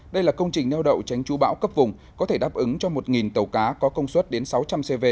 đây là công trình neo đậu tránh chú bão cấp vùng có thể đáp ứng cho một tàu cá có công suất đến sáu trăm linh cv